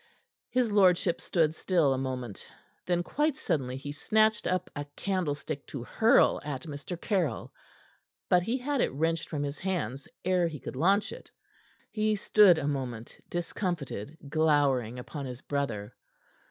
His lordship stood still a moment. Then, quite suddenly, he snatched up a candlestick to hurl at Mr. Caryll. But he had it wrenched from his hands ere he could launch it. He stood a moment, discomfited, glowering upon his brother.